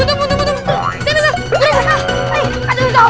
tunggu tunggu tunggu